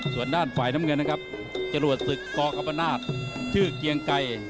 ส่วนด้านฝ่ายน้ำเงินนะครับจรวดศึกกกรรมนาศชื่อเกียงไก่